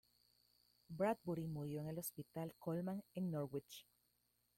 Bradbury murió en el hospital Colman en Norwich.